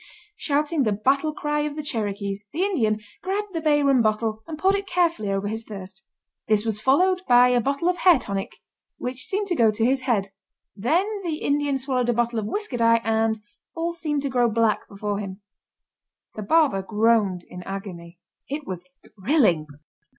Shouting the battle cry of the Cherokees, the Indian, grabbed the bay rum bottle and poured it carefully over his thirst. This was followed by a bottle of hair tonic, which seemed to go to his head. Then the Indian swallowed a bottle of whisker dye and all seemed to grow black before him. The barber groaned in agony. It was thrilling.